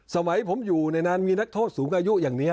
สมัยผมอยู่ในนั้นมีนักโทษสูงอายุอย่างนี้